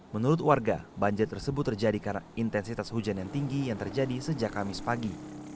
menurut warga banjir tersebut terjadi karena intensitas hujan yang tinggi yang terjadi sejak kamis pagi